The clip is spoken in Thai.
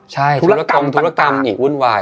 ใช่ธุรกรรมอีกวุ่นวาย